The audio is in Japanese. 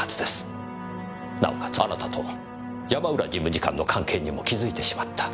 なおかつあなたと山浦事務次官の関係にも気づいてしまった。